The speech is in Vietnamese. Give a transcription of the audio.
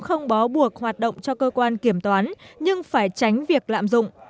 không bó buộc hoạt động cho cơ quan kiểm toán nhưng phải tránh việc lạm dụng